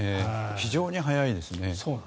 非常に速いですね。